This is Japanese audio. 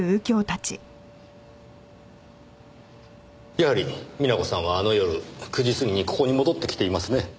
やはり美奈子さんはあの夜９時過ぎにここに戻ってきていますね。